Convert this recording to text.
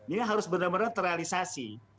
ini harus benar benar terrealisasi